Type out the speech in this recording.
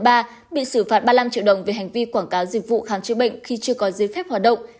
bị xử phạt ba mươi năm triệu đồng do quảng cáo dịch vụ khám chữa bệnh khi chưa có giới phép hoạt động